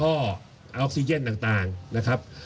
ออกซิเจนต่างนะครับ